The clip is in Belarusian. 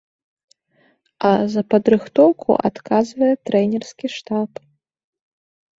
А за падрыхтоўку адказвае трэнерскі штаб.